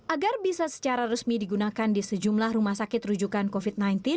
agar bisa secara resmi digunakan di sejumlah rumah sakit rujukan covid sembilan belas